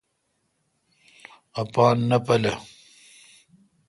اپان نہ پُالا۔